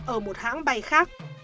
ở một hãng bay khác